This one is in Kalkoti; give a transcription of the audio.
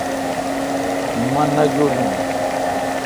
مہ نہ جولوں